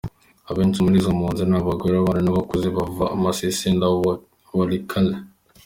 Abenshi muri izo mpunzi ni abagore, abana n’abakuze bava Masisi na Walikale.